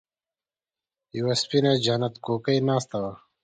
يوه سپينه جنت کوکۍ ناسته وه.